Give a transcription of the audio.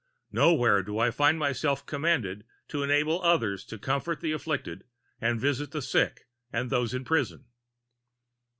Nowhere do I find myself commanded to enable others to comfort the afflicted and visit the sick and those in prison.